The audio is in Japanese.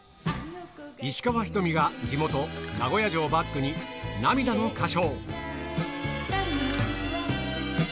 石川ひとみが、地元、名古屋城をバックに、涙の歌唱。